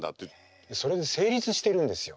それで成立してるんですよ。